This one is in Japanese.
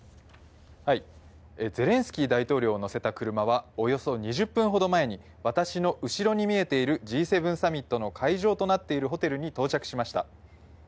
ゼレンスキー大統領を乗せた車は、およそ２０分ほど前に、私の後ろに見えているＧ７サミットの会場となっているホテルに到着しました。